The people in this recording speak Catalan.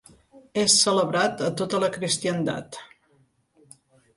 És celebrat a tota la cristiandat.